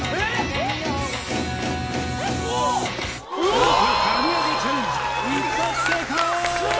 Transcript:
何と神業チャレンジ一発成功！